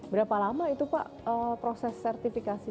berapa lama itu pak proses sertifikasi